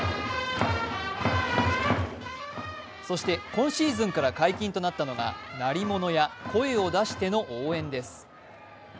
今シーズンから解禁となったのが鳴り物や声を出しての応援です。